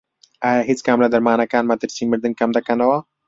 ئایا هیچ کام لە دەرمانەکان مەترسی مردن کەمدەکەنەوە؟